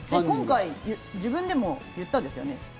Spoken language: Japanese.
今回自分でも言ったんですよね。